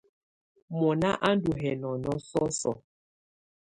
Mɔ́nà á ndɔ́ hɛ́nɔ́nɔ̀ sɔ́sɔ̀.